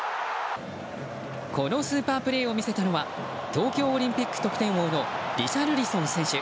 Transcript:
このスーパープレーを見せたのは東京オリンピック得点王のリシャルリソン選手。